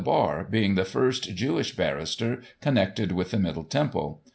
197 Bar, being the first Jewish barrister connected with the Middle Temple.